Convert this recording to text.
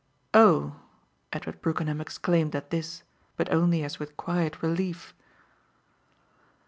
"Oh!" Edward Brookenham exclaimed at this, but only as with quiet relief.